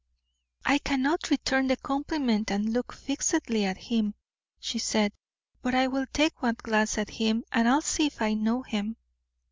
"I cannot return the compliment and look fixedly at him," she said, "but I will take one glance at him, and see if I know him."